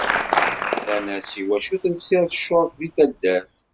Nnan-as iwacu telsiḍ short deg taddart.